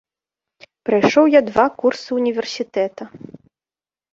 Прайшоў я два курсы універсітэта.